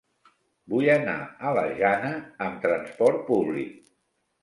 Vull anar a la Jana amb transport públic.